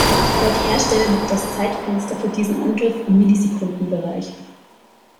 Laut Hersteller liegt das Zeitfenster für diesen Angriff im Millisekunden-Bereich.